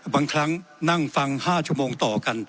บางครั้งนั่งฟัง๕ชั่วโมงต่อกัน